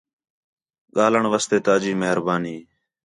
ڳاہلݨ واسطے تا جی مہربانی